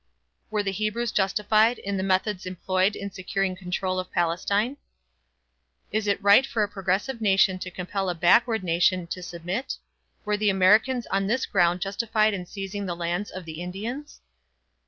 Were the Hebrews justified in the methods employed in securing control of Palestine? Is it right for a progressive nation to compel a backward nation to submit? Were the Americans on this ground justified in seizing the lands of the Indians?